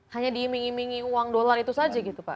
hanya diiming imingi uang dolar itu saja gitu pak